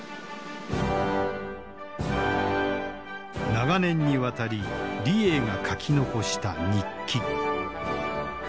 長年にわたり李鋭が書き残した日記。